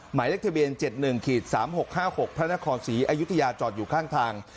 หมายเลขทะเบียน๗๑๓๖๕๖พระนครศรีอยุธยาจอดอยู่ข้างทาง